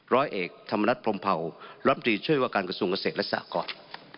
ร้อยเอกธรรมนัฐพรมเผารับดีช่วยว่าการกระทรวงเกษตรและสร้างอากอด